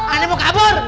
aneh mau kabur kabur